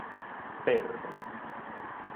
perdos